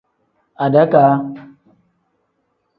Adakaa.